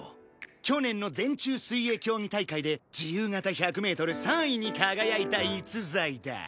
去年の全中水泳競技大会で自由形１００メートル３位に輝いた逸材だ。